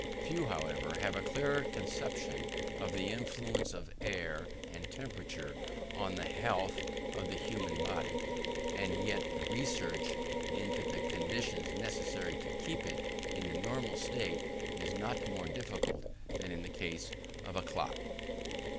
Few, however, have a clear conception of the influence of air and temperature on the health of the human body; and yet the research into the conditions necessary to keep it in the normal state is not more difficult than in the case of a clock.